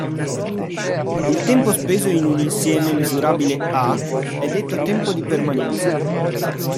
Il tempo speso in un insieme misurabile "A" è detto tempo di permanenza.